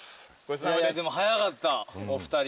でも速かったお二人。